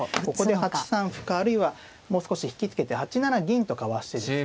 ここで８三歩かあるいはもう少し引き付けて８七銀とかわしてですね